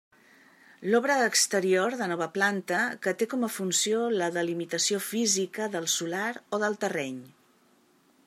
L'obra exterior de nova planta, que té com a funció la delimitació física del solar o del terreny.